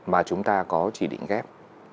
mà chúng ta có chỉ định ghép